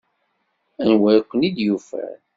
Anwa i ken-id-yufan?